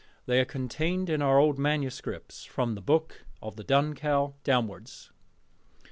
They are contained in our old manuscripts, from the Book of the Dun Cow downwards.